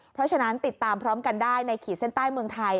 เพราะฉะนั้นติดตามพร้อมกันได้ในขีดเส้นใต้เมืองไทย